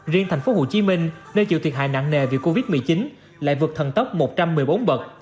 riêng thành phố hồ chí minh nơi chịu thiệt hại nặng nề vì covid một mươi chín lại vượt thần tốc một trăm một mươi bốn bậc